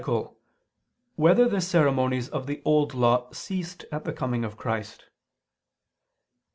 3] Whether the Ceremonies of the Old Law Ceased at the Coming of Christ?